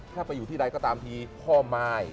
ถ้าไปอยู่ที่ใดก็ตามทีพ่อมาย